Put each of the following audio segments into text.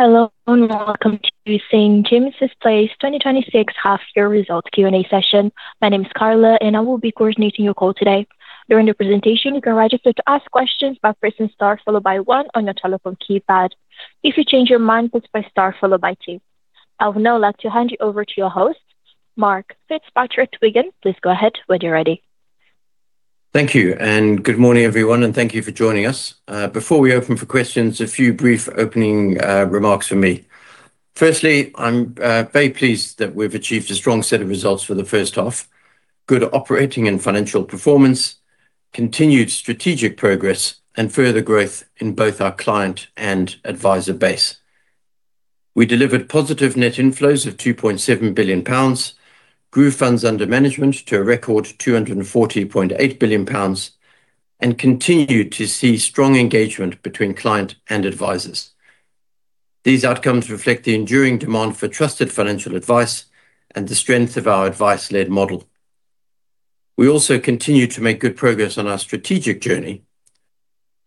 Hello, welcome to St. James's Place 2026 Half Year Results Q&A session. My name is Carla, and I will be coordinating your call today. During the presentation, you can register to ask questions by pressing star followed by one on your telephone keypad. If you change your mind, press star followed by two. I would now like to hand you over to your host, Mark FitzPatrick. Please go ahead when you're ready. Thank you. Good morning, everyone, thank you for joining us. Before we open for questions, a few brief opening remarks from me. Firstly, I'm very pleased that we've achieved a strong set of results for the first half. Good operating and financial performance, continued strategic progress, and further growth in both our client and advisor base. We delivered positive net inflows of 2.7 billion pounds, grew funds under management to a record 240.8 billion pounds, and continued to see strong engagement between client and advisors. These outcomes reflect the enduring demand for trusted financial advice and the strength of our advice-led model. We also continue to make good progress on our strategic journey.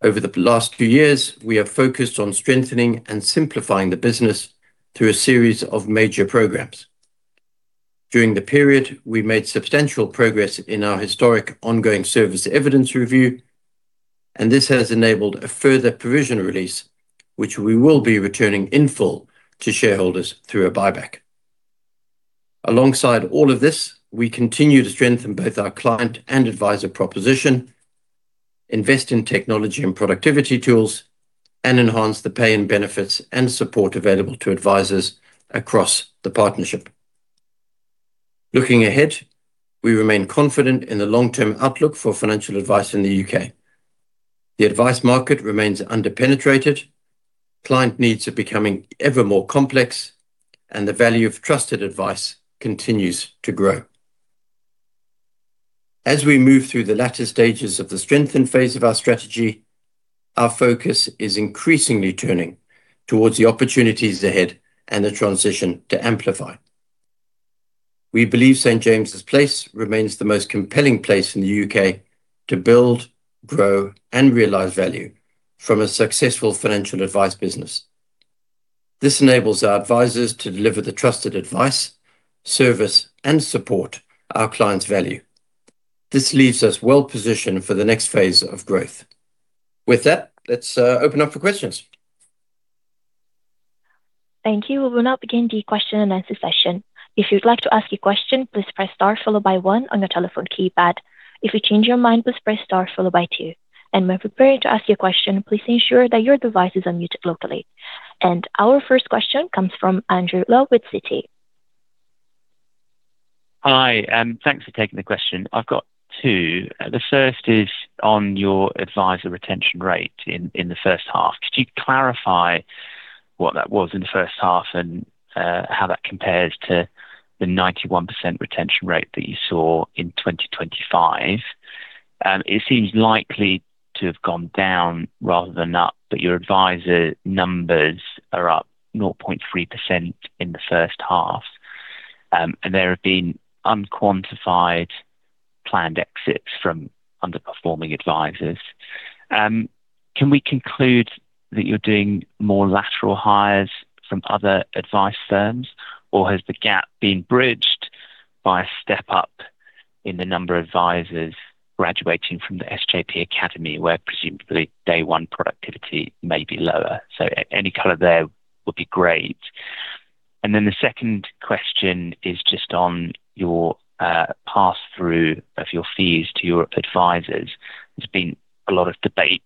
Over the last few years, we have focused on strengthening and simplifying the business through a series of major programs. During the period, we made substantial progress in our historic Ongoing Service Evidence review, this has enabled a further provision release, which we will be returning in full to shareholders through a buyback. Alongside all of this, we continue to strengthen both our client and advisor proposition, invest in technology and productivity tools, and enhance the pay and benefits and support available to advisors across the partnership. Looking ahead, we remain confident in the long-term outlook for financial advice in the U.K. The advice market remains under-penetrated, client needs are becoming ever more complex, the value of trusted advice continues to grow. As we move through the latter stages of the strengthen phase of our strategy, our focus is increasingly turning towards the opportunities ahead and the transition to Amplify. We believe St. James's Place remains the most compelling place in the U.K. to build, grow, and realize value from a successful financial advice business. This enables our advisors to deliver the trusted advice, service, and support our clients value. This leaves us well-positioned for the next phase of growth. With that, let's open up for questions. Thank you. We will now begin the question and answer session. If you'd like to ask a question, please press star followed by one on your telephone keypad. If you change your mind, please press star followed by two. When preparing to ask your question, please ensure that your device is unmuted locally. Our first question comes from Andrew Lowe with Citi. Hi, thanks for taking the question. I've got two. The first is on your advisor retention rate in the first half. Could you clarify what that was in the first half and how that compares to the 91% retention rate that you saw in 2025? It seems likely to have gone down rather than up, but your advisor numbers are up 0.3% in the first half. There have been unquantified planned exits from underperforming advisors. Can we conclude that you're doing more lateral hires from other advice firms, or has the gap been bridged by a step up in the number of advisors graduating from the SJP Academy, where presumably day one productivity may be lower? Any color there would be great. The second question is just on your pass-through of your fees to your advisors. There's been a lot of debate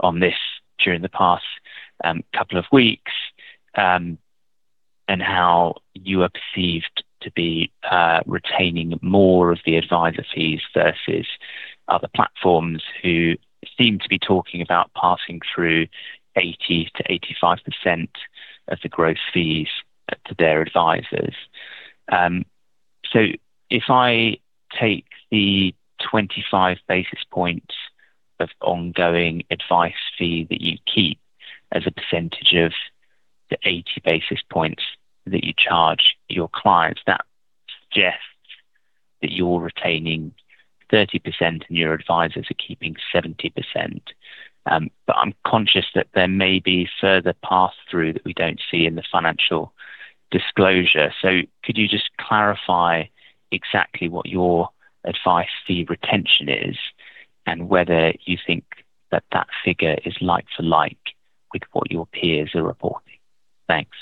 on this during the past couple of weeks, how you are perceived to be retaining more of the advisor fees versus other platforms who seem to be talking about passing through 80%-85% of the gross fees to their advisors. If I take the 25 basis points of ongoing advice fee that you keep as a percentage of the 80 basis points that you charge your clients, that suggests that you're retaining 30% and your advisors are keeping 70%. I'm conscious that there may be further pass-through that we don't see in the financial disclosure. Could you just clarify exactly what your advice fee retention is and whether you think that that figure is like for like with what your peers are reporting? Thanks.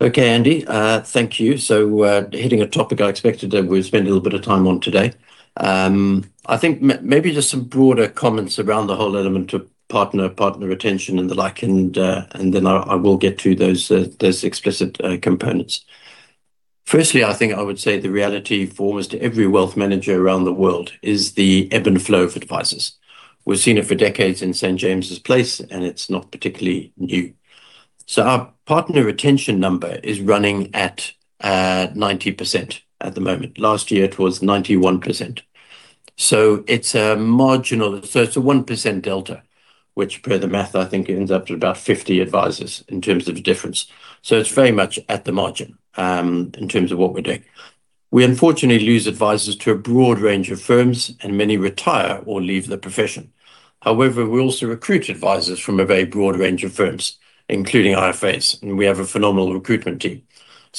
Okay, Andrew. Thank you. Hitting a topic I expected that we'll spend a little bit of time on today. I think maybe just some broader comments around the whole element of partner retention and the like. Then I will get to those explicit components. Firstly, I think I would say the reality for almost every wealth manager around the world is the ebb and flow of advisors. We've seen it for decades in St. James's Place. It's not particularly new. Our partner retention number is running at 90% at the moment. Last year, it was 91%. It's a 1% delta, which per the math, I think ends up at about 50 advisors in terms of the difference. It's very much at the margin, in terms of what we're doing. We unfortunately lose advisors to a broad range of firms, and many retire or leave the profession. We also recruit advisors from a very broad range of firms, including IFAs, and we have a phenomenal recruitment team.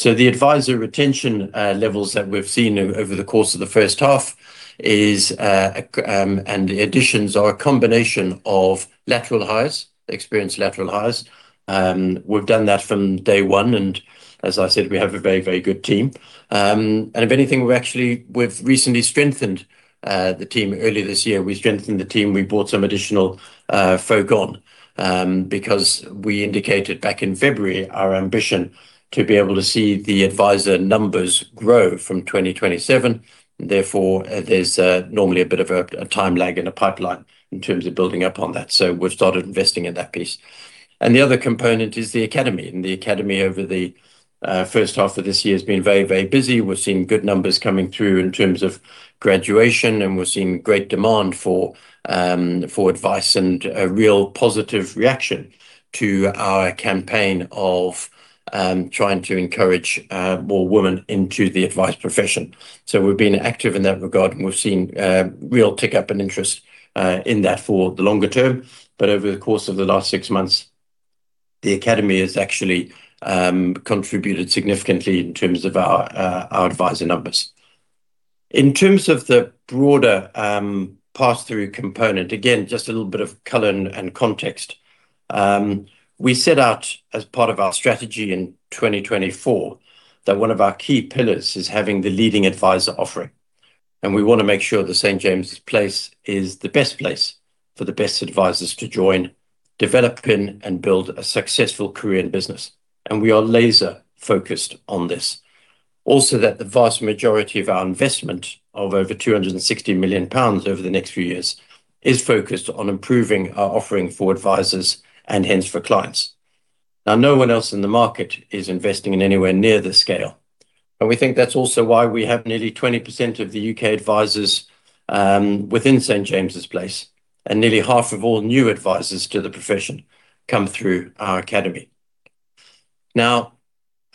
The advisor retention levels that we've seen over the course of the first half and the additions are a combination of lateral hires, experienced lateral hires. We've done that from day one, and as I said, we have a very, very good team. If anything, we've recently strengthened the team. Earlier this year, we strengthened the team. We brought some additional folk on because we indicated back in February our ambition to be able to see the advisor numbers grow from 2027. There's normally a bit of a time lag and a pipeline in terms of building up on that. We've started investing in that piece. The other component is the academy. The academy, over the first half of this year, has been very, very busy. We're seeing good numbers coming through in terms of graduation, and we're seeing great demand for advice and a real positive reaction to our campaign of trying to encourage more women into the advice profession. We've been active in that regard, and we've seen real tick up in interest in that for the longer term. Over the course of the last six months, the academy has actually contributed significantly in terms of our advisor numbers. In terms of the broader pass-through component, again, just a little bit of color and context. We set out as part of our strategy in 2024 that one of our key pillars is having the leading advisor offering, and we want to make sure that St. James's Place is the best place for the best advisors to join, develop in, and build a successful career in business. We are laser-focused on this. Also, that the vast majority of our investment of over 260 million pounds over the next few years is focused on improving our offering for advisors and hence for clients. No one else in the market is investing in anywhere near this scale. We think that's also why we have nearly 20% of the U.K. advisors within St. James's Place and nearly half of all new advisors to the profession come through our academy.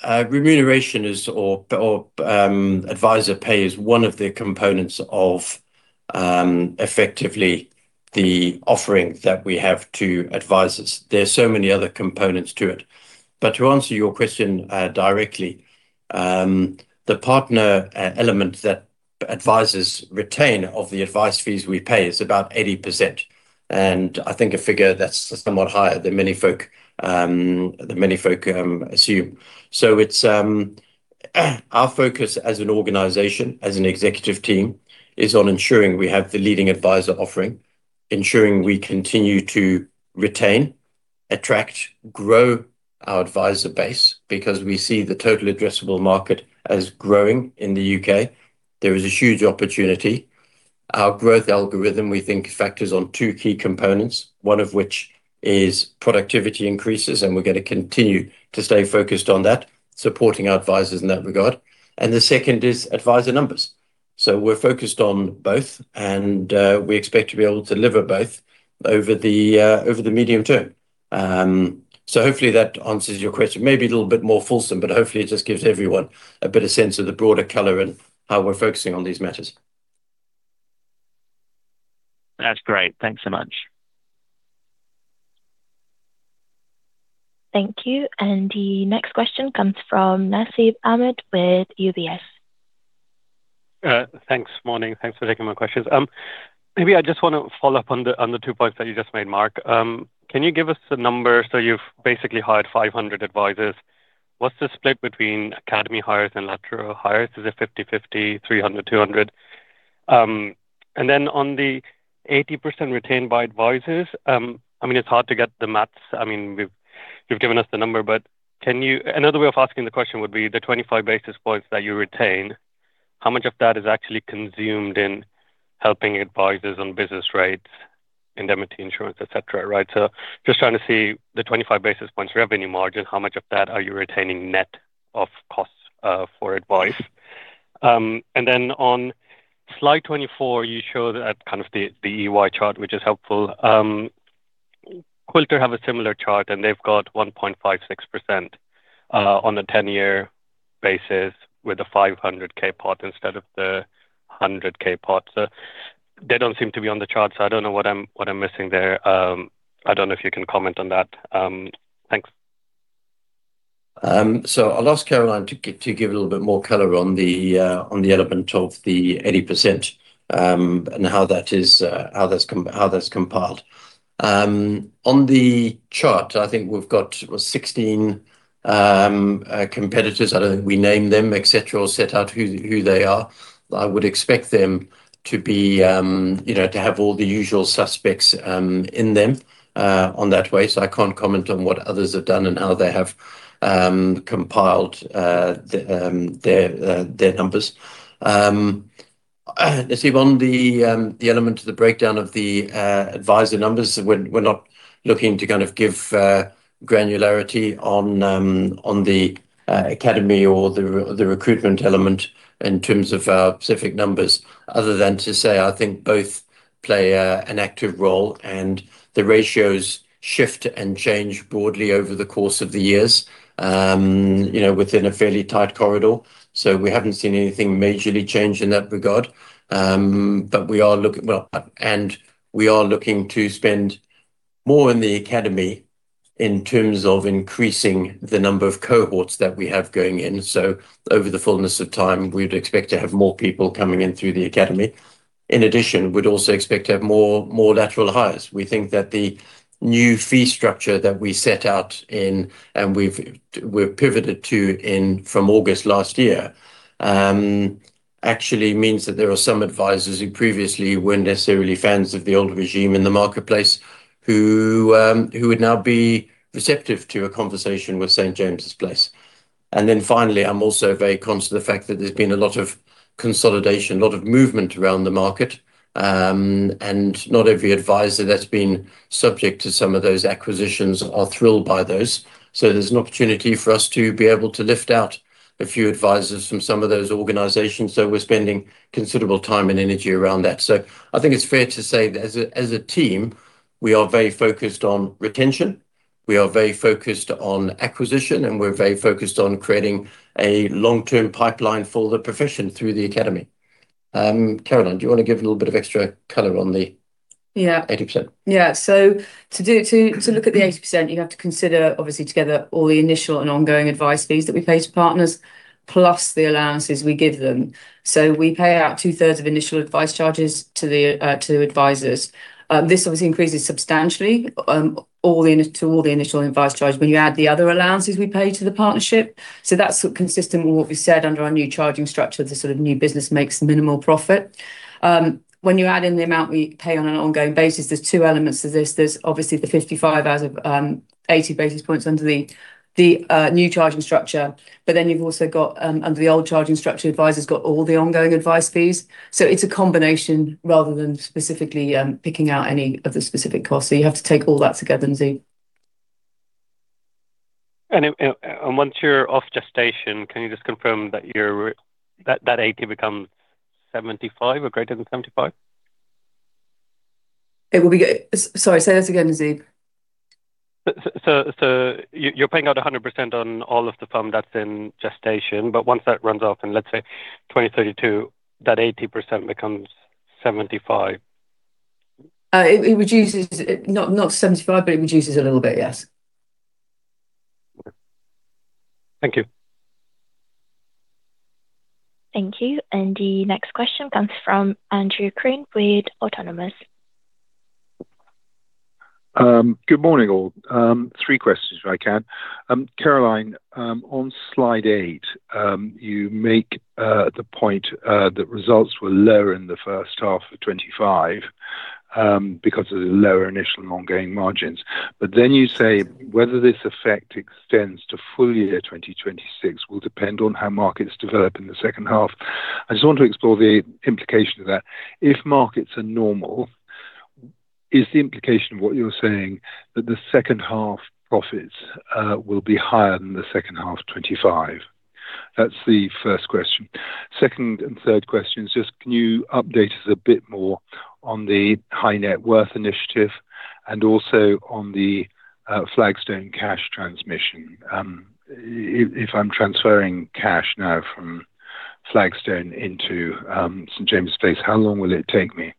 Remuneration or advisor pay is one of the components of effectively the offering that we have to advisors. There are so many other components to it. To answer your question directly, the partner element that advisors retain of the advice fees we pay is about 80%, and I think a figure that's somewhat higher than many folk assume. Our focus as an organization, as an executive team, is on ensuring we have the leading advisor offering, ensuring we continue to retain, attract, grow our advisor base because we see the total addressable market as growing in the U.K. There is a huge opportunity. Our growth algorithm, we think, factors on two key components, one of which is productivity increases, and we're going to continue to stay focused on that, supporting our advisors in that regard. The second is advisor numbers. We're focused on both, and we expect to be able to deliver both over the medium term. Hopefully that answers your question. Maybe a little bit more fulsome, but hopefully it just gives everyone a better sense of the broader color and how we're focusing on these matters. That's great. Thanks so much. Thank you. The next question comes from Nasib Ahmed with UBS. Thanks. Morning. Thanks for taking my questions. I just want to follow up on the two points that you just made, Mark. Can you give us the numbers? You've basically hired 500 advisors. What's the split between academy hires and lateral hires? Is it 50/50, 300/200? Then on the 80% retained by advisors, it's hard to get the math. You've given us the number, but another way of asking the question would be the 25 basis points that you retain, how much of that is actually consumed in helping advisors on business rates, indemnity insurance, et cetera? Just trying to see the 25 basis points revenue margin, how much of that are you retaining net of costs for advice? Then on slide 24, you show the EY chart, which is helpful. Quilter have a similar chart, they've got 1.56% on a 10-year basis with a 500,000 pot instead of the 100,000 pot. They don't seem to be on the chart, I don't know what I'm missing there. I don't know if you can comment on that. Thanks. I'll ask Caroline to give a little bit more color on the element of the 80% and how that's compiled. On the chart, I think we've got 16 competitors. I don't think we name them, et cetera, or set out who they are. I would expect them to have all the usual suspects in them on that way. I can't comment on what others have done and how they have compiled their numbers. Nasib, on the element of the breakdown of the adviser numbers, we're not looking to kind of give granularity on the Academy or the recruitment element in terms of our specific numbers, other than to say I think both play an active role and the ratios shift and change broadly over the course of the years within a fairly tight corridor. We haven't seen anything majorly change in that regard. We are looking to spend more in the Academy in terms of increasing the number of cohorts that we have going in. Over the fullness of time, we'd expect to have more people coming in through the Academy. In addition, we'd also expect to have more lateral hires. We think that the new fee structure that we set out in and we've pivoted to from August last year actually means that there are some advisers who previously weren't necessarily fans of the old regime in the marketplace who would now be receptive to a conversation with St. James's Place. Finally, I'm also very conscious of the fact that there's been a lot of consolidation, a lot of movement around the market. Not every adviser that's been subject to some of those acquisitions are thrilled by those. There's an opportunity for us to be able to lift out a few advisers from some of those organizations. We're spending considerable time and energy around that. I think it's fair to say as a team, we are very focused on retention, we are very focused on acquisition, and we're very focused on creating a long-term pipeline for the profession through the Academy. Caroline, do you want to give a little bit of extra color on the? Yeah 80%? Yeah. To look at the 80%, you have to consider obviously together all the initial and ongoing advice fees that we pay to partners, plus the allowances we give them. We pay out 2/3 of initial advice charges to advisers. This obviously increases substantially to all the initial advice charge when you add the other allowances we pay to the partnership. That's consistent with what we've said under our new charging structure, the sort of new business makes minimal profit. When you add in the amount we pay on an ongoing basis, there's two elements to this. There's obviously the 55 out of 80 basis points under the new charging structure. You've also got, under the old charging structure, advisers got all the ongoing advice fees. It's a combination rather than specifically picking out any of the specific costs. You have to take all that together, Nasib. Once you're off gestation, can you just confirm that 80% becomes 75% or greater than 75%? Sorry, say that again, Nasib. You're paying out 100% on all of the firm that's in gestation. Once that runs off in, let's say, 2032, that 80% becomes 75%. It reduces, not 75%, but it reduces a little bit, yes. Okay. Thank you. Thank you. The next question comes from Andrew Crean with Autonomous Research. Good morning, all. Three questions if I can. Caroline, on slide eight, you make the point that results were lower in the first half of 2025, because of the lower initial and ongoing margins. You say whether this effect extends to full year 2026 will depend on how markets develop in the second half. I just want to explore the implication of that. If markets are normal, is the implication of what you're saying that the second half profits will be higher than the second half 2025? That's the first question. Second and third questions, can you update us a bit more on the High-Net-Worth Initiative and also on the Flagstone cash transmission? If I'm transferring cash now from Flagstone into St. James's Place, how long will it take me?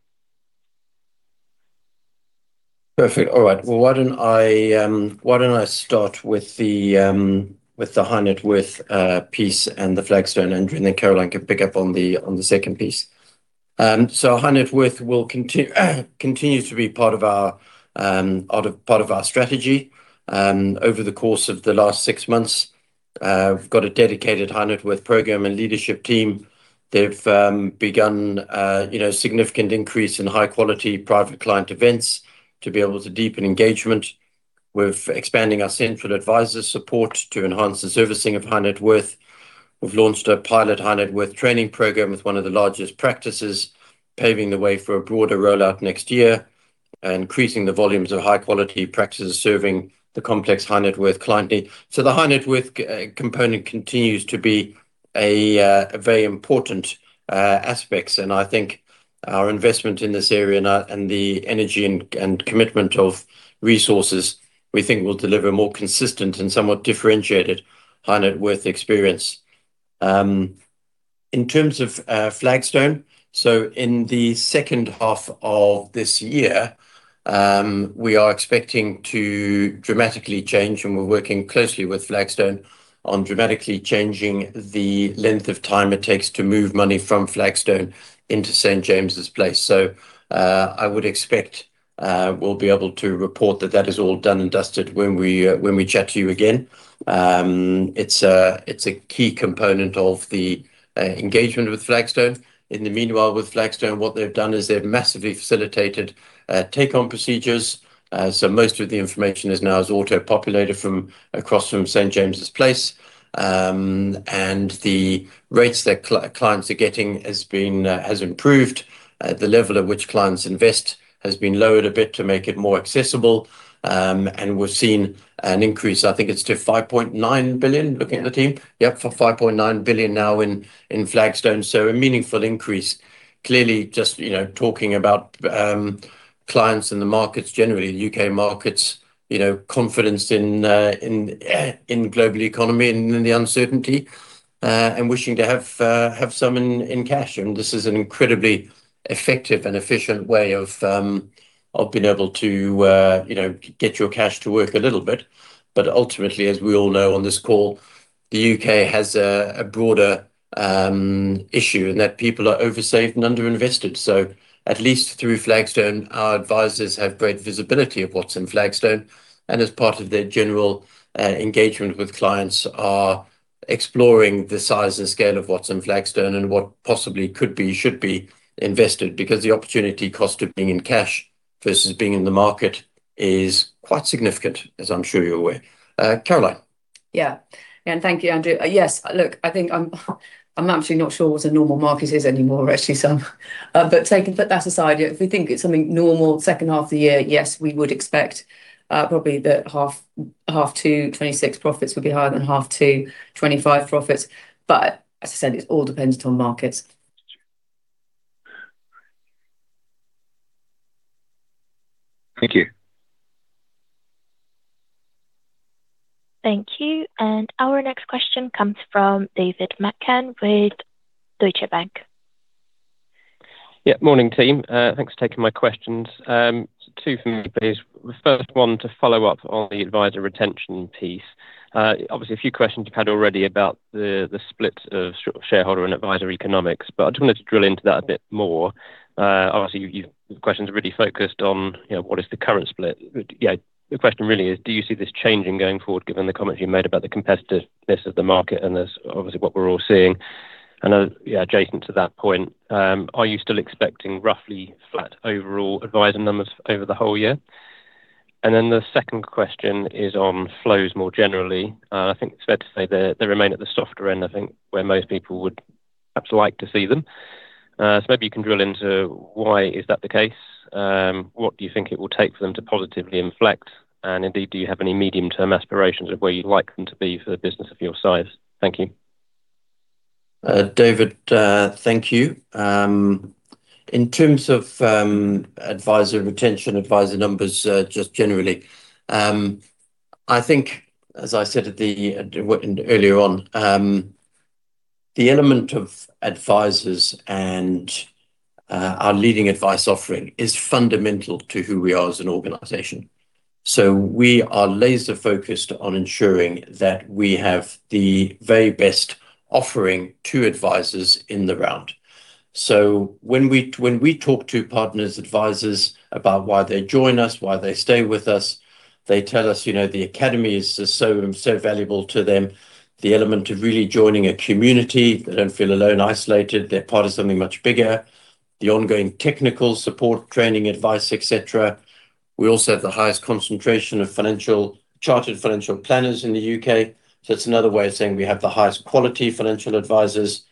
Perfect. All right. Why don't I start with the High-Net-Worth piece and the Flagstone, and then Caroline can pick up on the second piece. High-Net-Worth will continue to be part of our strategy. Over the course of the last six months, we've got a dedicated High-Net-Worth program and leadership team. They've begun significant increase in high-quality private client events to be able to deepen engagement. We're expanding our central adviser support to enhance the servicing of High-Net-Worth. We've launched a pilot High-Net-Worth training program with one of the largest practices, paving the way for a broader rollout next year and increasing the volumes of high-quality practices serving the complex High-Net-Worth client need. The High-Net-Worth component continues to be a very important aspects, and I think our investment in this area and the energy and commitment of resources we think will deliver more consistent and somewhat differentiated High-Net-Worth experience. In terms of Flagstone, in the second half of this year, we are expecting to dramatically change, and we're working closely with Flagstone on dramatically changing the length of time it takes to move money from Flagstone into St. James's Place. I would expect we'll be able to report that that is all done and dusted when we chat to you again. It's a key component of the engagement with Flagstone. In the meanwhile, with Flagstone, what they've done is they've massively facilitated take-on procedures. Most of the information is now auto-populated from across from St. James's Place. The rates that clients are getting has improved. The level at which clients invest has been lowered a bit to make it more accessible. We're seeing an increase, I think it's to 5.9 billion, looking at the team. For 5.9 billion now in Flagstone. A meaningful increase. Clearly just talking about clients in the markets generally, the U.K. markets, confidence in global economy and in the uncertainty, and wishing to have some in cash. This is an incredibly effective and efficient way of being able to get your cash to work a little bit. Ultimately, as we all know on this call, the U.K. has a broader issue in that people are over-saved and under-invested. At least through Flagstone, our advisors have great visibility of what's in Flagstone, and as part of their general engagement with clients, are exploring the size and scale of what's in Flagstone and what possibly could be, should be, invested because the opportunity cost of being in cash versus being in the market is quite significant, as I'm sure you're aware. Caroline? Yeah. Thank you, Andrew. Yes, look, I'm actually not sure what a normal market is anymore, actually, [Andrew]. Putting that aside, if we think it's something normal second half of the year, yes, we would expect probably that half two 2026 profits would be higher than half two 2025 profits. As I said, it all depends on markets. Thank you. Thank you. Our next question comes from David McCann with Deutsche Bank. Morning, team. Thanks for taking my questions. Two from me, please. The first one to follow up on the adviser retention piece. A few questions you've had already about the split of shareholder and adviser economics, but I just wanted to drill into that a bit more. Your questions are really focused on what is the current split. The question really is, do you see this changing going forward given the comments you made about the competitiveness of the market and what we're all seeing? Adjacent to that point, are you still expecting roughly flat overall adviser numbers over the whole year? The second question is on flows more generally. I think it's fair to say they remain at the softer end, I think, where most people would perhaps like to see them. Maybe you can drill into why is that the case. What do you think it will take for them to positively inflect? Indeed, do you have any medium-term aspirations of where you'd like them to be for the business of your size? Thank you. David, thank you. In terms of adviser retention, adviser numbers just generally, as I said earlier on, the element of advisers and our leading advice offering is fundamental to who we are as an organization. We are laser-focused on ensuring that we have the very best offering to advisers in the round. When we talk to partners, advisers about why they join us, why they stay with us, they tell us the Academy is just so valuable to them. The element of really joining a community, they don't feel alone, isolated, they're part of something much bigger. The ongoing technical support, training, advice, et cetera. We also have the highest concentration of chartered financial planners in the U.K. It's another way of saying we have the highest quality financial advisers,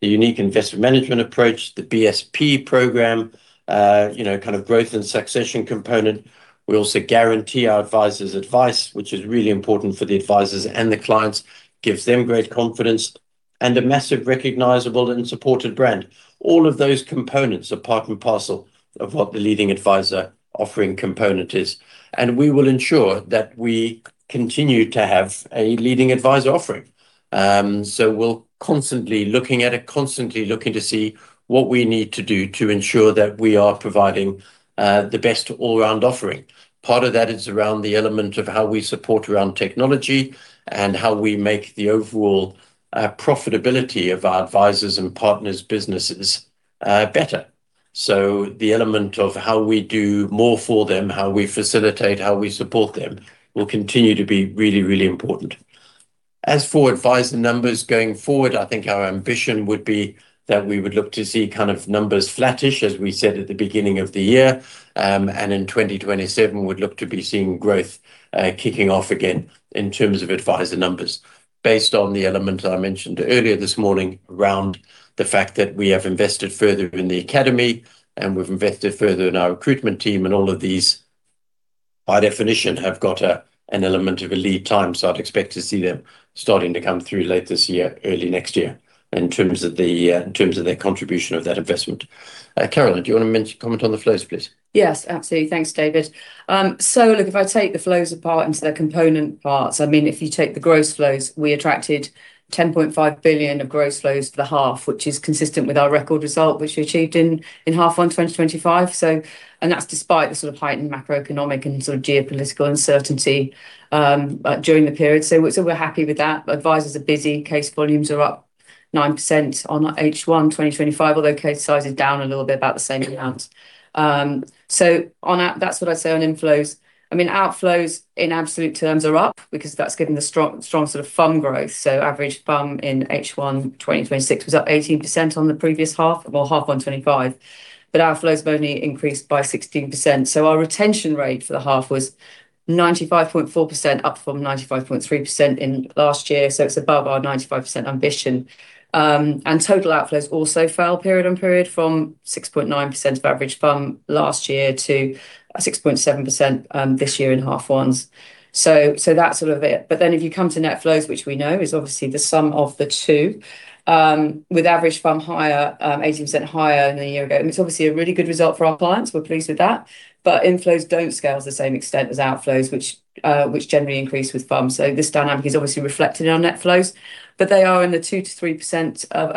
the unique investment management approach, the BSP program, kind of growth and succession component. We also guarantee our advisers' advice, which is really important for the advisers and the clients, gives them great confidence. A massive recognizable and supported brand. All of those components are part and parcel of what the leading adviser offering component is, and we will ensure that we continue to have a leading adviser offering. We're constantly looking at it, constantly looking to see what we need to do to ensure that we are providing the best all-round offering. Part of that is around the element of how we support around technology and how we make the overall profitability of our advisers' and partners' businesses better. The element of how we do more for them, how we facilitate, how we support them, will continue to be really, really important. As for adviser numbers going forward, I think our ambition would be that we would look to see kind of numbers flattish, as we said at the beginning of the year. In 2027, we would look to be seeing growth kicking off again in terms of adviser numbers. Based on the element I mentioned earlier this morning around the fact that we have invested further in the Academy, and we've invested further in our recruitment team and all of these, by definition, have got an element of a lead time. I'd expect to see them starting to come through late this year, early next year in terms of their contribution of that investment. Caroline, do you want to comment on the flows, please? Yes, absolutely. Thanks, David. Look, if I take the flows apart into their component parts, if you take the gross flows, we attracted 10.5 billion of gross flows for the half, which is consistent with our record result, which we achieved in half one 2025. That's despite the sort of heightened macroeconomic and sort of geopolitical uncertainty during the period. We're happy with that. Advisers are busy. Case volumes are up 9% on H1 2025, although case size is down a little bit, about the same amount. On that's what I'd say on inflows. Outflows in absolute terms are up because that's given the strong sort of FUM growth. Average FUM in H1 2026 was up 18% on the previous half, well, H1 2025, outflows have only increased by 16%. Our retention rate for the half was 95.4%, up from 95.3% in last year. It's above our 95% ambition. Total outflows also fell period on period from 6.9% of average FUM last year to 6.7% this year in H1. That's all of it. If you come to net flows, which we know is obviously the sum of the two, with average FUM higher, 18% higher than a year ago, it's obviously a really good result for our clients, we're pleased with that. Inflows don't scale to the same extent as outflows, which generally increase with FUM. This dynamic is obviously reflected in our net flows, but they are in the 2%-3% of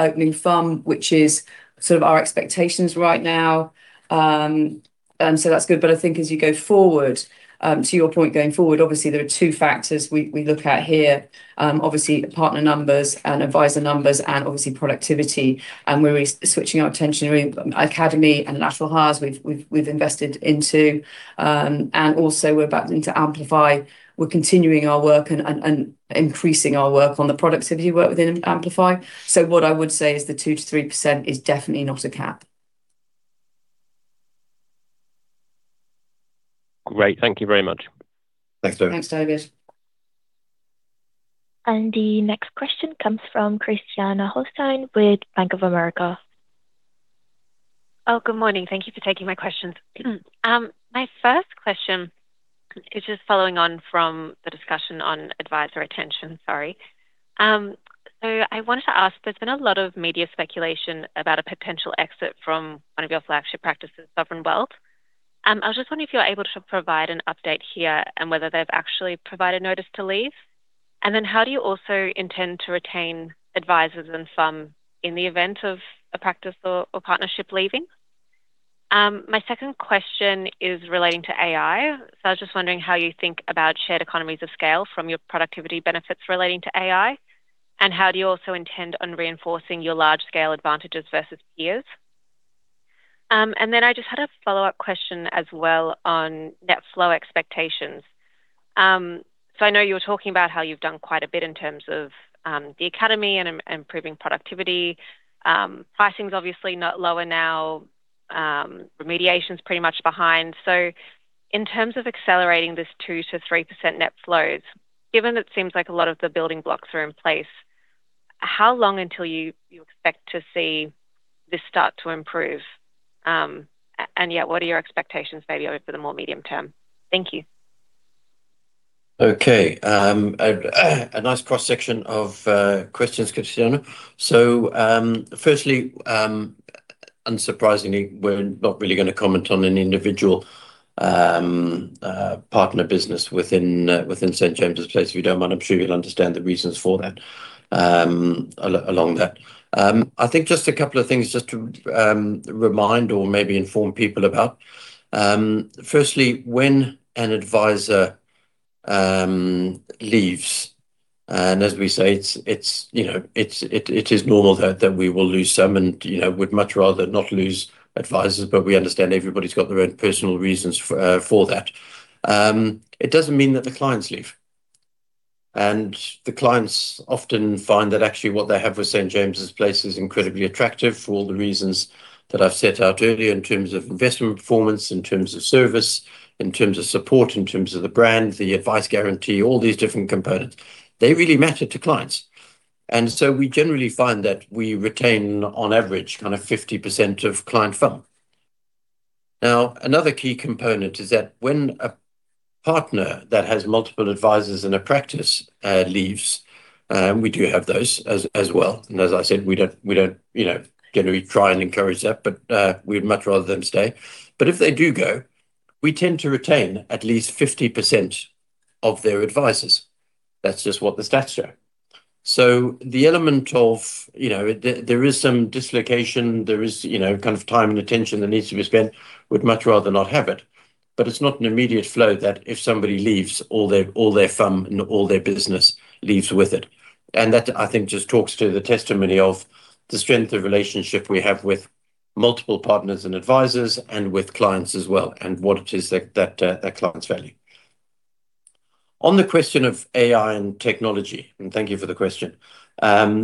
opening FUM, which is sort of our expectations right now. That's good, I think as you go forward, to your point going forward, obviously, there are two factors we look at here. Obviously, the partner numbers and adviser numbers and obviously productivity. We're switching our attention to Academy and lateral hires, we've invested into. Also we're about to Amplify. We're continuing our work and increasing our work on the productivity work within Amplify. What I would say is the 2%-3% is definitely not a cap Great. Thank you very much. Thanks, David. Thanks, David. The next question comes from Christiane Holstein with Bank of America. Good morning. My first question is just following on from the discussion on adviser retention. I wanted to ask, there's been a lot of media speculation about a potential exit from one of your flagship practices, Sovereign Wealth. I was just wondering if you're able to provide an update here and whether they've actually provided notice to leave. How do you also intend to retain advisers and some in the event of a practice or partnership leaving? My second question is relating to AI. I was just wondering how you think about shared economies of scale from your productivity benefits relating to AI, and how do you also intend on reinforcing your large-scale advantages versus peers? I just had a follow-up question as well on net flow expectations. I know you were talking about how you've done quite a bit in terms of the academy and improving productivity. Pricing's obviously not lower now. Remediation's pretty much behind. In terms of accelerating this 2%-3% net flows, given it seems like a lot of the building blocks are in place, how long until you expect to see this start to improve? What are your expectations maybe over for the more medium term? Thank you. A nice cross-section of questions, Christiane. Firstly, unsurprisingly, we're not really going to comment on any individual partner business within St. James's Place, if you don't mind. I'm sure you'll understand the reasons for that along that. I think just a couple of things just to remind or maybe inform people about. Firstly, when an adviser leaves, as we say, it is normal that we will lose some and we'd much rather not lose advisers, but we understand everybody's got their own personal reasons for that. It doesn't mean that the clients leave. The clients often find that actually what they have with St. James's Place is incredibly attractive for all the reasons that I've set out earlier in terms of investment performance, in terms of service, in terms of support, in terms of the brand, the advice guarantee, all these different components. They really matter to clients. We generally find that we retain, on average, 50% of client FUM. Another key component is that when a partner that has multiple advisers in a practice leaves, we do have those as well. As I said, we don't generally try and encourage that, but we'd much rather them stay. If they do go, we tend to retain at least 50% of their advisers. That's just what the stats show. The element of, there is some dislocation, there is time and attention that needs to be spent, we'd much rather not have it. It's not an immediate flow that if somebody leaves all their FUM and all their business leaves with it. That, I think, just talks to the testimony of the strength of relationship we have with multiple partners and advisers and with clients as well and what it is that our clients value. On the question of AI and technology, thank you for the question.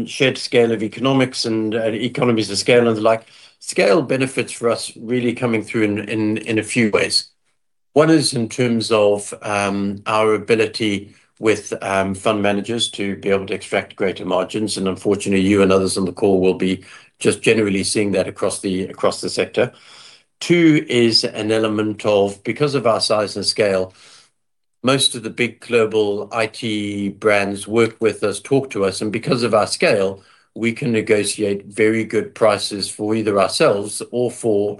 Shared scale of economics and economies of scale and the like, scale benefits for us really coming through in a few ways. One is in terms of our ability with fund managers to be able to extract greater margins, and unfortunately, you and others on the call will be just generally seeing that across the sector. Two is because of our size and scale, most of the big global IT brands work with us, talk to us, and because of our scale, we can negotiate very good prices for either ourselves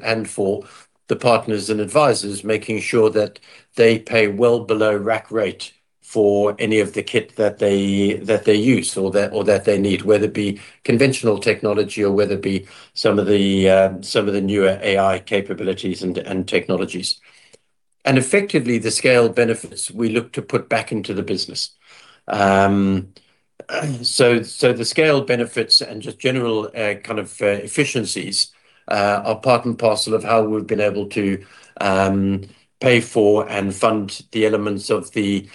and for the partners and advisers, making sure that they pay well below rack rate for any of the kit that they use or that they need. Whether it be conventional technology or whether it be some of the newer AI capabilities and technologies. Effectively, the scale benefits we look to put back into the business. The scale benefits and just general kind of efficiencies are part and parcel of how we've been able to pay for and fund the elements of the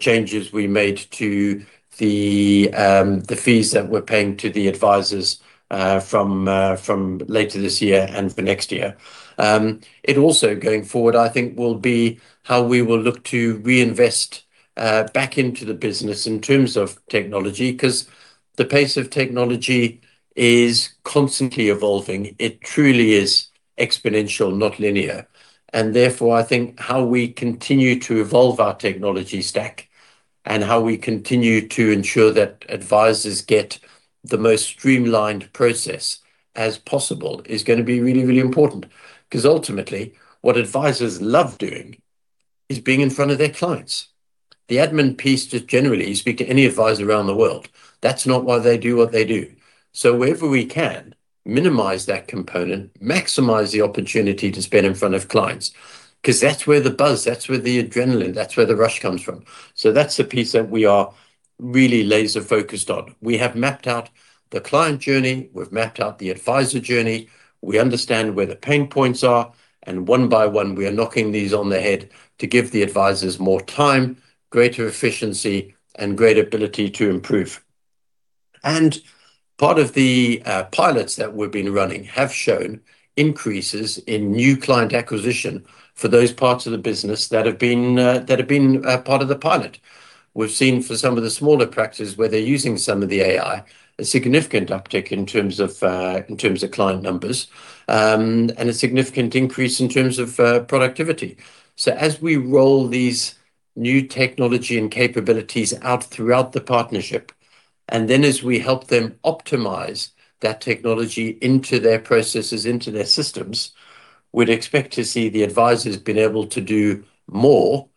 changes we made to the fees that we're paying to the advisers from later this year and for next year. It also, going forward, I think will be how we will look to reinvest back into the business in terms of technology, because the pace of technology is constantly evolving. It truly is exponential, not linear. Therefore, I think how we continue to evolve our technology stack and how we continue to ensure that advisers get the most streamlined process as possible is going to be really, really important. Ultimately, what advisers love doing is being in front of their clients. The admin piece just generally, you speak to any adviser around the world, that's not why they do what they do. Wherever we can, minimize that component, maximize the opportunity to spend in front of clients, because that's where the buzz, that's where the adrenaline, that's where the rush comes from. That's the piece that we are really laser-focused on. We have mapped out the client journey, we've mapped out the adviser journey, we understand where the pain points are, and one by one, we are knocking these on the head to give the advisers more time, greater efficiency, and greater ability to improve. Part of the pilots that we've been running have shown increases in new client acquisition for those parts of the business that have been part of the pilot. We've seen for some of the smaller practices, where they're using some of the AI, a significant uptick in terms of client numbers, and a significant increase in terms of productivity. As we roll these new technology and capabilities out throughout the partnership, as we help them optimize that technology into their processes, into their systems, we'd expect to see the advisers being able to do more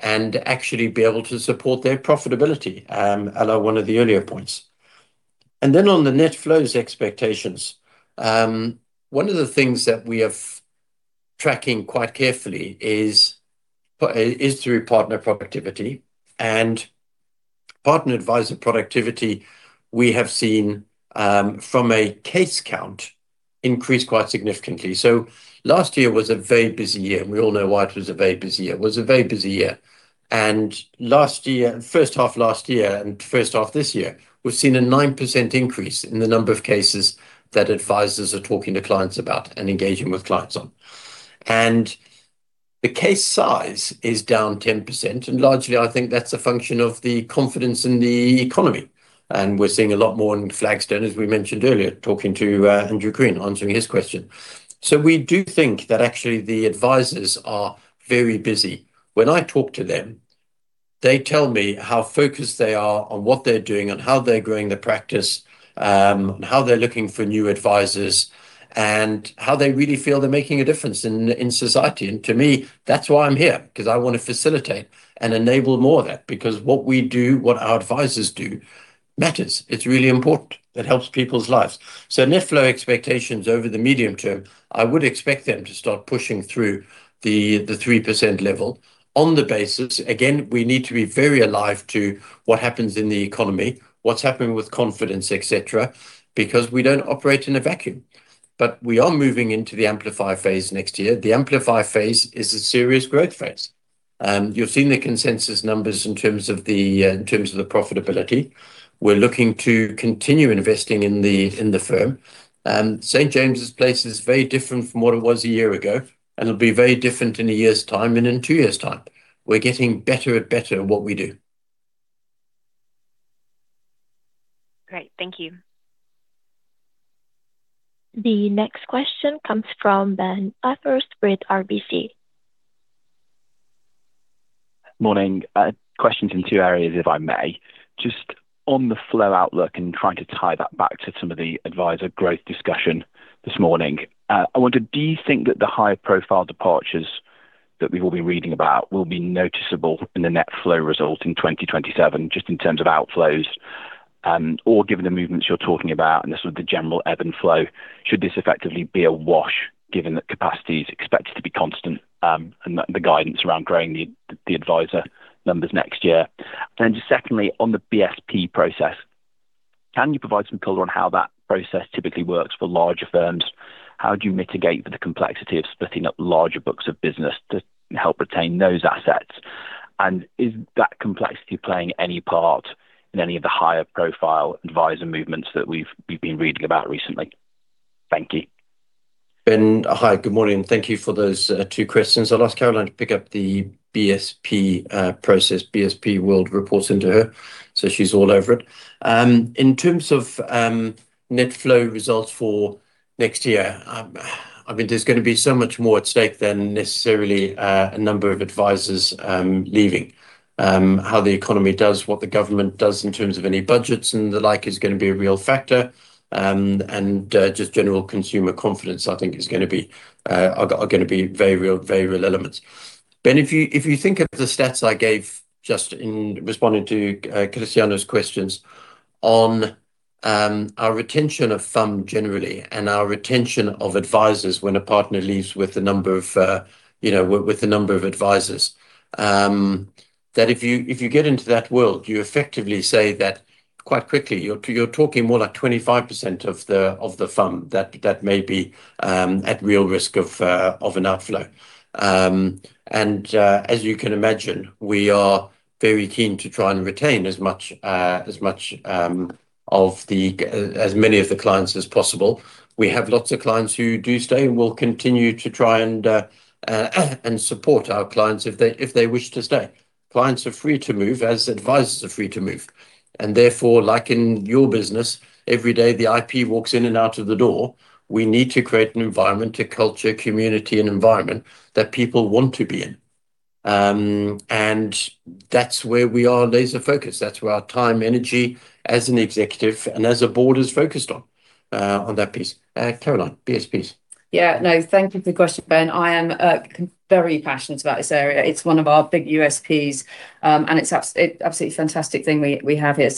and actually be able to support their profitability, a la one of the earlier points. On the net flows expectations, one of the things that we have tracking quite carefully is through partner productivity. Partner adviser productivity, we have seen from a case count, increased quite significantly. Last year was a very busy year, and we all know why it was a very busy year. It was a very busy year. First half last year and first half this year, we've seen a 9% increase in the number of cases that advisers are talking to clients about and engaging with clients on. The case size is down 10%, largely, I think that's a function of the confidence in the economy. We're seeing a lot more on Flagstone, as we mentioned earlier, talking to Andrew Crean, answering his question. We do think that actually the advisers are very busy. When I talk to them, they tell me how focused they are on what they're doing and how they're growing their practice, on how they're looking for new advisers, and how they really feel they're making a difference in society. To me, that's why I'm here, because I want to facilitate and enable more of that. What we do, what our advisers do, matters. It's really important. It helps people's lives. Net flow expectations over the medium term, I would expect them to start pushing through the 3% level on the basis, again, we need to be very alive to what happens in the economy, what's happening with confidence, et cetera, because we don't operate in a vacuum. We are moving into the Amplify phase next year. The Amplify phase is a serious growth phase. You've seen the consensus numbers in terms of the profitability. We're looking to continue investing in the firm. St. James's Place is very different from what it was a year ago, and it'll be very different in a year's time and in two years' time. We're getting better and better at what we do. Great. Thank you. The next question comes from Ben Bathurst with RBC Capital. Morning. Questions in two areas, if I may. Just on the flow outlook and trying to tie that back to some of the adviser growth discussion this morning. I wonder, do you think that the high-profile departures that we've all been reading about will be noticeable in the net flow result in 2027, just in terms of outflows? Or given the movements you're talking about and the sort of general ebb and flow, should this effectively be a wash, given that capacity is expected to be constant, and the guidance around growing the adviser numbers next year? Just secondly, on the BSP process, can you provide some color on how that process typically works for larger firms? How do you mitigate for the complexity of splitting up larger books of business to help retain those assets? Is that complexity playing any part in any of the higher profile adviser movements that we've been reading about recently? Thank you. Ben Bathurst, hi. Good morning. Thank you for those two questions. I'll ask Caroline to pick up the BSP process. BSP world reports into her, so she's all over it. In terms of net flow results for next year, there's going to be so much more at stake than necessarily a number of advisers leaving. How the economy does, what the government does in terms of any budgets and the like is going to be a real factor, and just general consumer confidence I think are going to be very real elements. Ben, if you think of the stats I gave just in responding to Christiane's questions on our retention of FUM generally and our retention of advisers when a partner leaves with a number of advisers, that if you get into that world, you effectively say that quite quickly you're talking more like 25% of the FUM that may be at real risk of an outflow. As you can imagine, we are very keen to try and retain as many of the clients as possible. We have lots of clients who do stay and will continue to try and support our clients if they wish to stay. Clients are free to move as advisers are free to move. Therefore, like in your business, every day the IP walks in and out of the door, we need to create an environment, a culture, community and environment that people want to be in. That's where we are laser-focused. That's where our time, energy, as an executive and as a board is focused on that piece. Caroline, BSPs. Yeah. No. Thank you for the question, Ben. I am very passionate about this area. It's one of our big USPs. It's an absolutely fantastic thing we have here.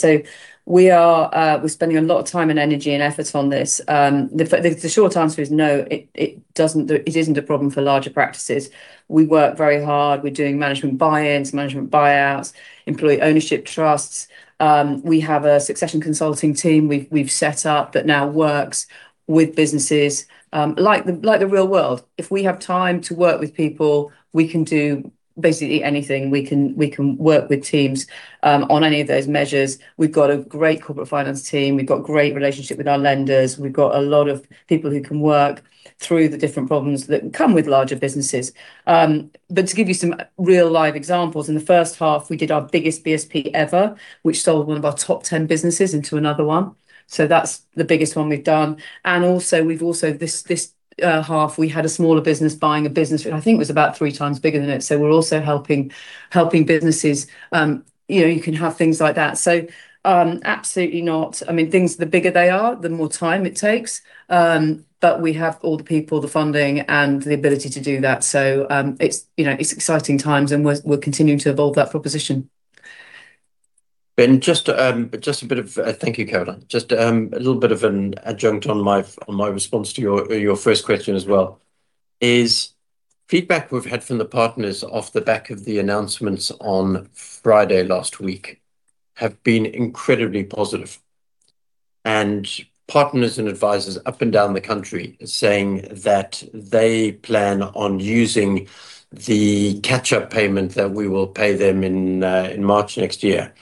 We're spending a lot of time and energy and effort on this. The short answer is no, it isn't a problem for larger practices. We work very hard. We're doing management buy-ins, management buyouts, employee ownership trusts. We have a succession consulting team we've set up that now works with businesses. Like the real world, if we have time to work with people, we can do basically anything. We can work with teams on any of those measures. We've got a great corporate finance team. We've got great relationship with our lenders. We've got a lot of people who can work through the different problems that come with larger businesses. To give you some real live examples, in the first half, we did our biggest BSP ever, which sold one of our top 10 businesses into another one. That's the biggest one we've done. Also this half, we had a smaller business buying a business, I think it was about 3x bigger than it. We're also helping businesses. You can have things like that. Absolutely not. The bigger they are, the more time it takes. We have all the people, the funding, and the ability to do that. It's exciting times and we're continuing to evolve that proposition. Ben, thank you, Caroline. Just a little bit of an adjunct on my response to your first question as well is, feedback we've had from the partners off the back of the announcements on Friday last week have been incredibly positive. Partners and advisers up and down the country are saying that they plan on using the catch-up payment that we will pay them in March next year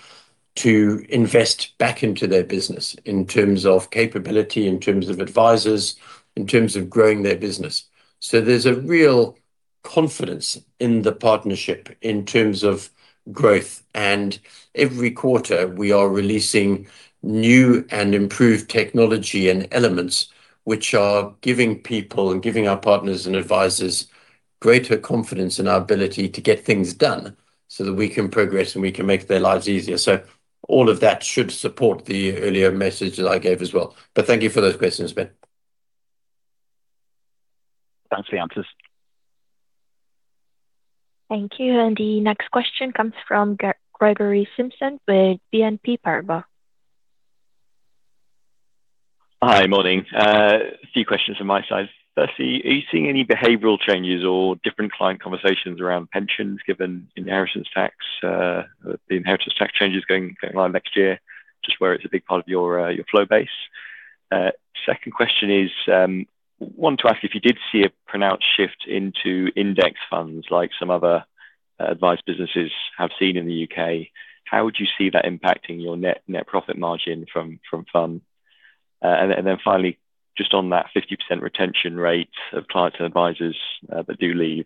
to invest back into their business in terms of capability, in terms of advisers, in terms of growing their business. There's a real confidence in the partnership in terms of growth. Every quarter, we are releasing new and improved technology and elements which are giving people and giving our partners and advisers greater confidence in our ability to get things done so that we can progress, and we can make their lives easier. All of that should support the earlier message that I gave as well. Thank you for those questions, Ben. Thanks for the answers. Thank you. The next question comes from Gregory Simpson with BNP Paribas. Hi. Morning. A few questions from my side. Firstly, are you seeing any behavioral changes or different client conversations around pensions, given the inheritance tax changes going live next year? Just where it's a big part of your flow base. Second question is, wanted to ask if you did see a pronounced shift into index funds like some other advice businesses have seen in the U.K. How would you see that impacting your net profit margin from fund? Finally, just on that 50% retention rate of clients and advisors that do leave,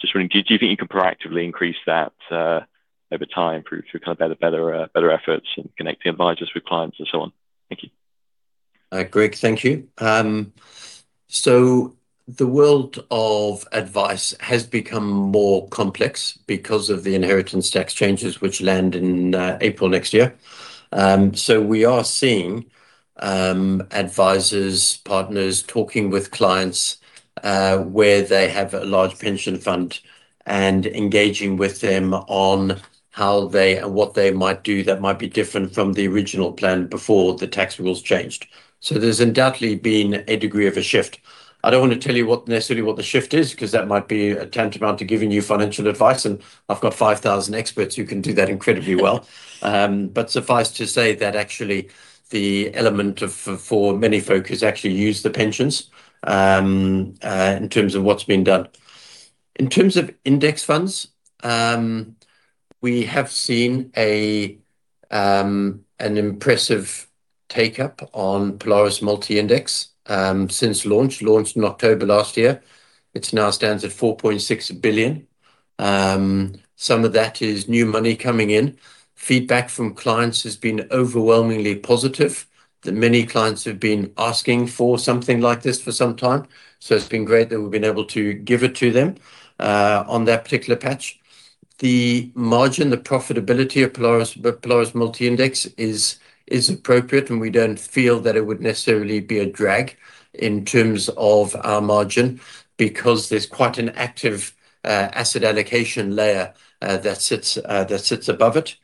just wondering, do you think you can proactively increase that over time through better efforts in connecting advisors with clients and so on? Thank you. Greg, thank you. The world of advice has become more complex because of the inheritance tax changes which land in April next year. We are seeing advisors, partners talking with clients, where they have a large pension fund, and engaging with them on how they and what they might do that might be different from the original plan before the tax rules changed. There's undoubtedly been a degree of a shift. I don't want to tell you necessarily what the shift is, because that might be tantamount to giving you financial advice, and I've got 5,000 experts who can do that incredibly well. Suffice to say that actually the element for many folk is actually use the pensions, in terms of what's been done. In terms of index funds, we have seen an impressive take-up on Polaris Multi-Index since launch. Launched in October last year. It now stands at 4.6 billion. Some of that is new money coming in. Feedback from clients has been overwhelmingly positive, that many clients have been asking for something like this for some time. It's been great that we've been able to give it to them on that particular patch. The margin, the profitability of Polaris Multi-Index is appropriate, and we don't feel that it would necessarily be a drag in terms of our margin because there's quite an active asset allocation layer that sits above it.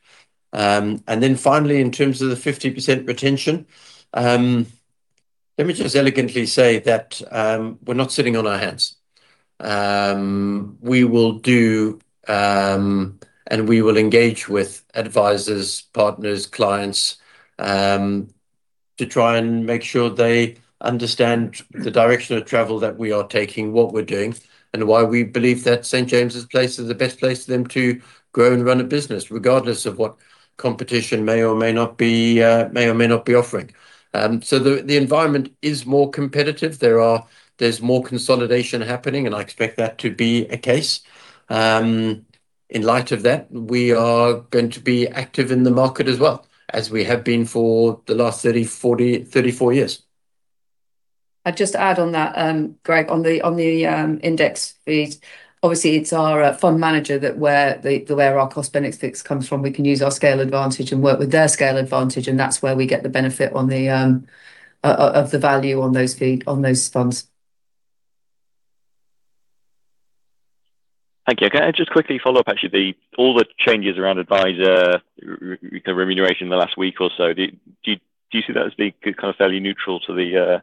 Finally, in terms of the 50% retention, let me just elegantly say that we're not sitting on our hands. We will do and we will engage with advisors, partners, clients, to try and make sure they understand the direction of travel that we are taking, what we're doing, and why we believe that St. James's Place is the best place for them to grow and run a business, regardless of what competition may or may not be offering. The environment is more competitive. There's more consolidation happening, and I expect that to be a case. In light of that, we are going to be active in the market as well, as we have been for the last 34 years. I'd just add on that, Gregory, on the index fees, obviously it's our fund manager that where our cost benefits comes from. We can use our scale advantage and work with their scale advantage, that's where we get the benefit of the value on those funds. Thank you. Can I just quickly follow up, actually, all the changes around adviser remuneration in the last week or so, do you see that as being kind of fairly neutral to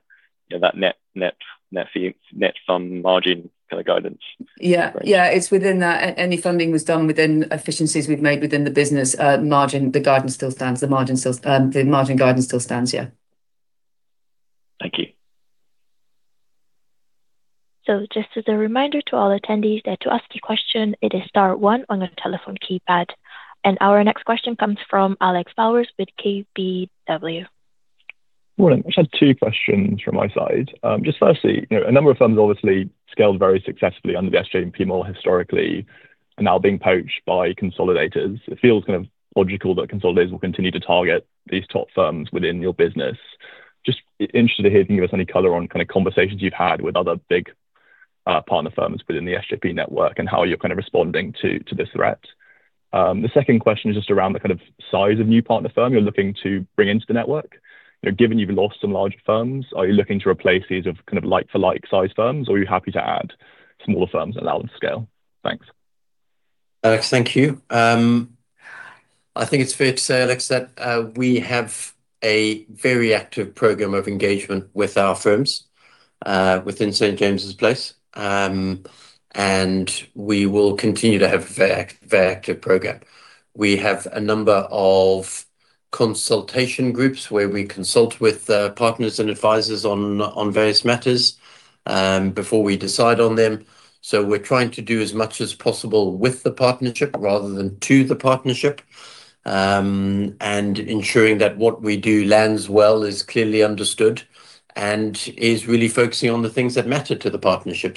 that net fund margin kind of guidance? Yeah. It's within that. Any funding was done within efficiencies we've made within the business margin. The margin guidance still stands, yeah. Thank you. Just as a reminder to all attendees that to ask a question, it is star one on your telephone keypad. Our next question comes from Alex Bowers with KBW. Morning. I just had two questions from my side. Just firstly, a number of firms obviously scaled very successfully under the SJP model historically are now being poached by consolidators. It feels kind of logical that consolidators will continue to target these top firms within your business. Just interested to hear if you can give us any color on conversations you've had with other big partner firms within the SJP network and how you're kind of responding to this threat. The second question is just around the kind of size of new partner firm you're looking to bring into the network. Given you've lost some large firms, are you looking to replace these with kind of like-for-like size firms, or are you happy to add smaller firms and allow them to scale? Thanks. Alex, thank you. I think it's fair to say, Alex, that we have a very active program of engagement with our firms, within St. James's Place. We will continue to have a very active program. We have a number of consultation groups where we consult with partners and advisors on various matters, before we decide on them. We're trying to do as much as possible with the partnership rather than to the partnership, and ensuring that what we do lands well, is clearly understood, and is really focusing on the things that matter to the partnership.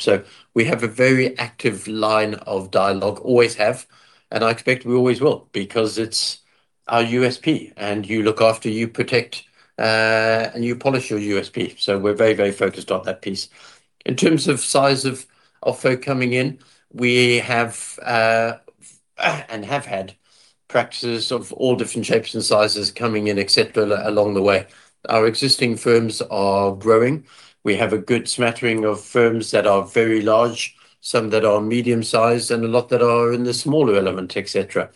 We have a very active line of dialogue, always have, and I expect we always will because it's our USP and you look after, you protect, and you polish your USP. We're very focused on that piece. In terms of size of folk coming in, we have, and have had, practices of all different shapes and sizes coming in, et cetera, along the way. Our existing firms are growing. We have a good smattering of firms that are very large, some that are medium-sized, and a lot that are in the smaller element, et cetera.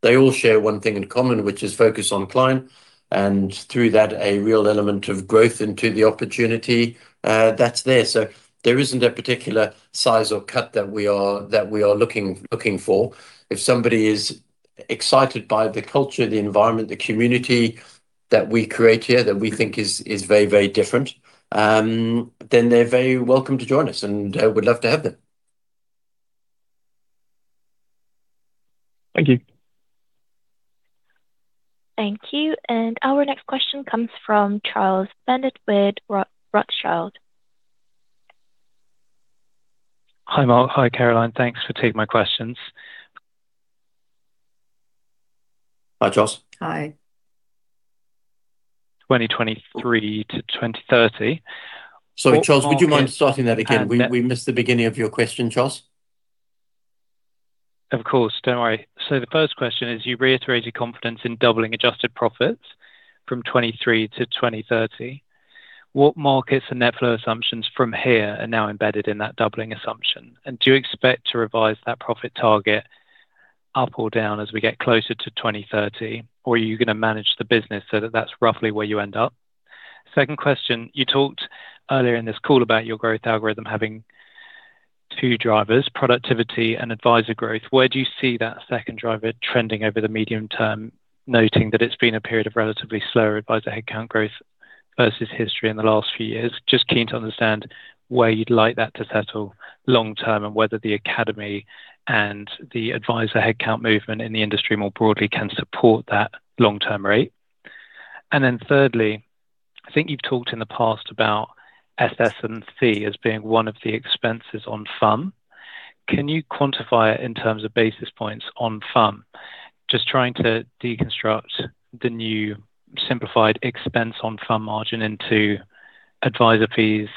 They all share one thing in common, which is focus on client and through that, a real element of growth into the opportunity that's there. There isn't a particular size or cut that we are looking for. If somebody is excited by the culture, the environment, the community that we create here, that we think is very different, then they're very welcome to join us, and would love to have them. Thank you. Thank you. Our next question comes from Charles Bendit with Rothschild & Co Redburn. Hi, Mark. Hi, Caroline. Thanks for taking my questions. Hi, Charles. Hi. 2023 to 2030 Sorry, Charles, would you mind starting that again? We missed the beginning of your question, Charles. Of course. Don't worry. The first question is, you reiterate your confidence in doubling adjusted profits from 2023 to 2030. What markets and net flow assumptions from here are now embedded in that doubling assumption? Do you expect to revise that profit target up or down as we get closer to 2030? Are you going to manage the business so that that's roughly where you end up? Second question, you talked earlier in this call about your growth algorithm having two drivers, productivity and adviser growth. Where do you see that second driver trending over the medium term? Noting that it's been a period of relatively slower adviser headcount growth versus history in the last few years. Just keen to understand where you'd like that to settle long-term, and whether the Academy and the adviser headcount movement in the industry more broadly can support that long-term rate. Thirdly, I think you've talked in the past about SS&C as being one of the expenses on FUM. Can you quantify it in terms of basis points on FUM? Just trying to deconstruct the new simplified expense on FUM margin into adviser fees,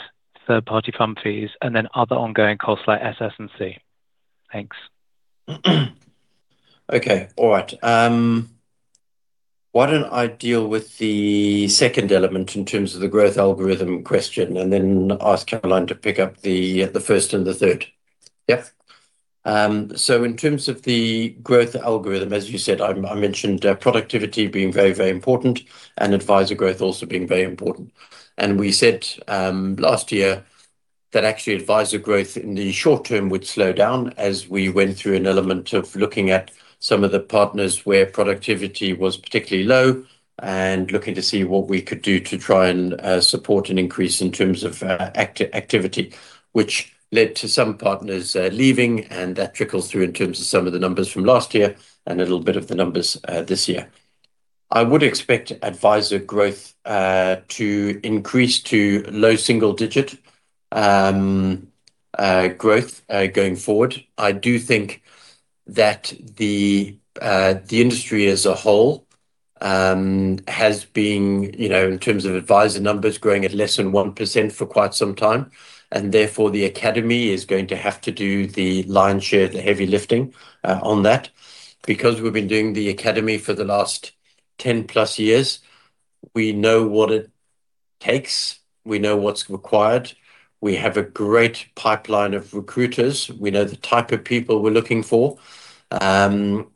third-party FUM fees, and then other ongoing costs like SS&C. Thanks. Okay. All right. Why don't I deal with the second element in terms of the growth algorithm question and then ask Caroline to pick up the first and the third? Yeah. In terms of the growth algorithm, as you said, I mentioned productivity being very important and advisor growth also being very important. We said, last year, that actually advisor growth in the short term would slow down as we went through an element of looking at some of the partners where productivity was particularly low and looking to see what we could do to try and support an increase in terms of activity. Which led to some partners leaving, and that trickles through in terms of some of the numbers from last year and a little bit of the numbers this year. I would expect advisor growth to increase to low single-digit growth going forward. I do think that the industry as a whole has been, in terms of advisor numbers, growing at less than 1% for quite some time. Therefore, the Academy is going to have to do the lion's share, the heavy lifting, on that. We've been doing the Academy for the last 10+ years. We know what it takes. We know what's required. We have a great pipeline of recruiters. We know the type of people we're looking for.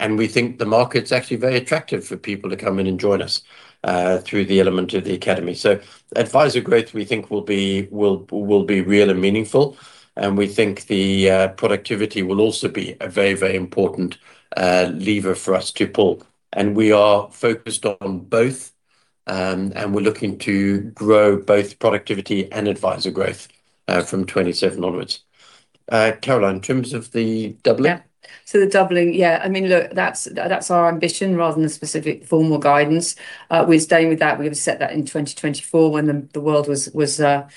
We think the market's actually very attractive for people to come in and join us, through the element of the Academy. Advisor growth, we think will be real and meaningful, and we think the productivity will also be a very, very important lever for us to pull. We are focused on both, and we're looking to grow both productivity and advisor growth from 2027 onwards. Caroline, in terms of the doubling? Yeah. The doubling. Look, that's our ambition rather than a specific formal guidance. We're staying with that. We set that in 2024 when the world was a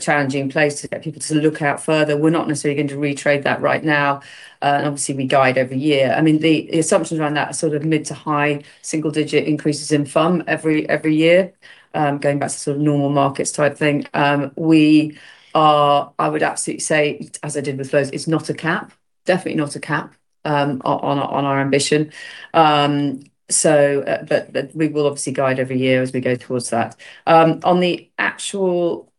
challenging place to get people to look out further. We're not necessarily going to retrade that right now. Obviously, we guide every year. The assumptions around that are mid to high single-digit increases in FUM every year, going back to normal markets type thing. I would absolutely say, as I did with those, it's not a cap. Definitely not a cap on our ambition. We will obviously guide every year as we go towards that. On the actual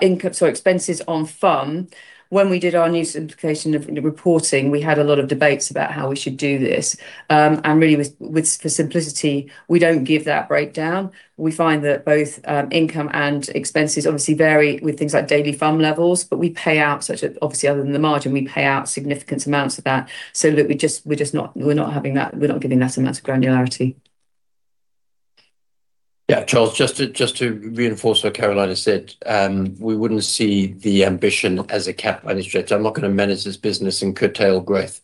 income, so expenses on FUM, when we did our new simplification of the reporting, we had a lot of debates about how we should do this. Really for simplicity, we don't give that breakdown. We find that both income and expenses obviously vary with things like daily FUM levels, but other than the margin, we pay out significant amounts of that. We're not giving that amount of granularity. Yeah. Charles, just to reinforce what Caroline has said. We wouldn't see the ambition as a cap on the stretch. I'm not going to manage this business and curtail growth.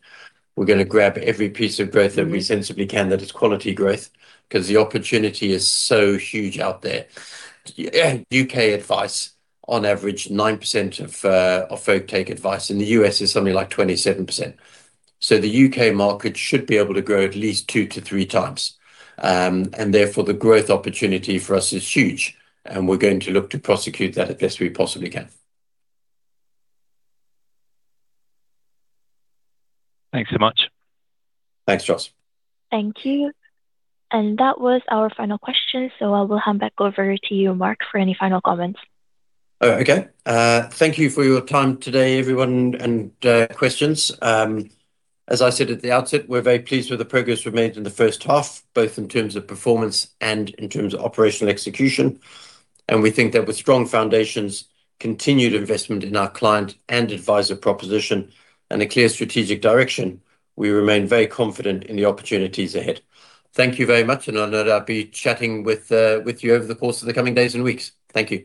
We're going to grab every piece of growth that we sensibly can, that is quality growth, because the opportunity is so huge out there. U.K. advice, on average, 9% of folk take advice. In the U.S., it's something like 27%. The U.K. market should be able to grow at least 2x to 3x. Therefore, the growth opportunity for us is huge, and we're going to look to prosecute that as best we possibly can. Thanks so much. Thanks, Charles. Thank you. That was our final question, so I will hand back over to you, Mark, for any final comments. Oh, okay. Thank you for your time today, everyone, and questions. As I said at the outset, we are very pleased with the progress we have made in the first half, both in terms of performance and in terms of operational execution. We think that with strong foundations, continued investment in our client and adviser proposition, and a clear strategic direction, we remain very confident in the opportunities ahead. Thank you very much, I will no doubt be chatting with you over the course of the coming days and weeks. Thank you.